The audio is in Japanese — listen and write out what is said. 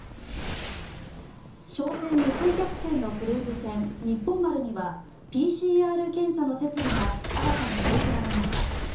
商船三井客船のクルーズ船「にっぽん丸」にはＰＣＲ検査の設備が新たに設けられました。